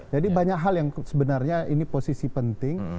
jadi banyak hal yang sebenarnya ini posisi penting